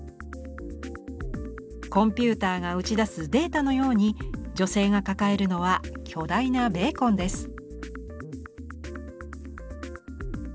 コンピューターが打ち出すデータのように女性が抱えるのは巨大なベーコンです。